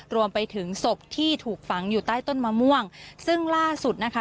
รวมไปถึงศพที่ถูกฝังอยู่ใต้ต้นมะม่วงซึ่งล่าสุดนะคะ